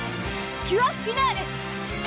キュアフィナーレ！